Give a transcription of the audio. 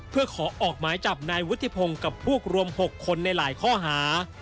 เพื่อขอออกหมายจับนายวุฒิพงศ์กับพวกรวม๖คนในหลายข้อหา